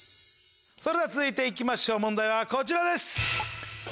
それでは続いていきましょう問題はこちらです。